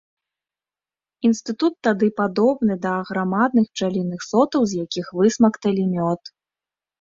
Інстытут тады падобны да аграмадных пчаліных сотаў, з якіх высмакталі мёд.